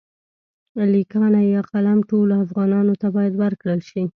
لیکانی يا قلم ټولو افغانانو ته باید ورکړل شي.